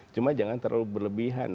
cuma jangan terlalu berlebihan